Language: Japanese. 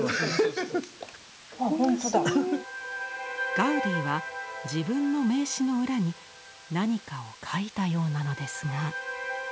ガウディは自分の名刺の裏に何かを描いたようなのですが。